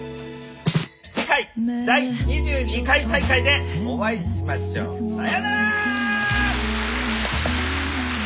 「次回第２２回大会でお会いしましょう！さようなら！」。